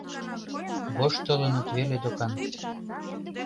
Воштылыныт веле докан.